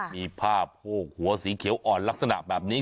มีผ้าโพกหัวสีเขียวอ่อนลักษณะแบบนี้